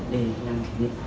để làm kỷ niệm